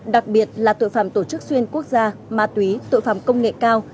đặc biệt là tội phạm tổ chức xuyên quốc gia ma túy tội phạm công nghệ cao